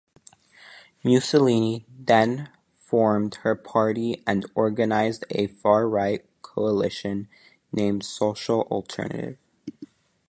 Mussolini then formed her party and organized a far-right coalition named Social Alternative.